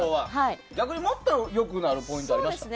逆にもっと良くなるポイントはありました？